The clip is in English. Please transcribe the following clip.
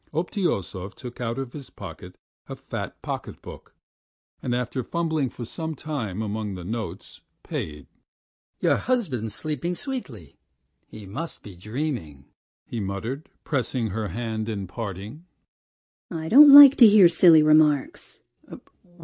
Obtyosov took out of his pocket a fat pocket book, and after fumbling for some time among the notes, paid. "Your husband's sleeping sweetly ... he must be dreaming," he muttered, pressing her hand at parting. "I don't like to hear silly remarks.